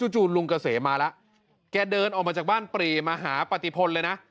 จู่ลุงเกษมมาแล้วแกเดินออกมาจากบ้านปรีมาหาปฏิพลเลยนะ